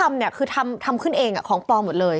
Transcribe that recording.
มีรถตำรวจด้วย